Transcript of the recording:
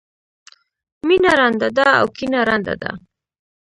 مینه رانده ده او کینه ړنده ده.